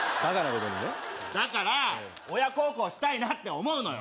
だから親孝行したいなって思うのよ。